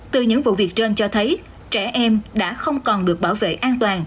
từ những vụ việc trên cho thấy trẻ em đã không còn được bảo vệ an toàn